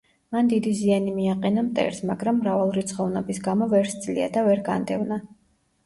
მან დიდი ზიანი მიაყენა მტერს, მაგრამ მრავალრიცხოვნობის გამო ვერ სძლია და ვერ განდევნა.